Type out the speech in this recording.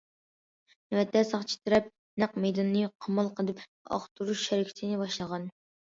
نۆۋەتتە ساقچى تەرەپ نەق مەيداننى قامال قىلىپ، ئاختۇرۇش ھەرىكىتىنى باشلىغان.